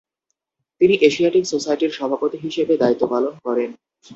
তিনি এশিয়াটিক সোসাইটির সভাপতি হিসেবে দায়িত্ব পালন করেন।